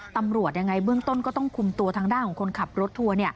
ตำรวจยังไงเบื้องต้นก็ต้องคุมตัวทางด้านของคนขับรถทัวร์